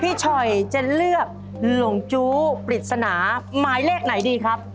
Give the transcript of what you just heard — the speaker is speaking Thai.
ชอยจะเลือกหลงจู้ปริศนาหมายเลขไหนดีครับ